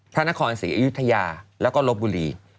พระนครศรีอยุธยาแล้วก็ลบบุรี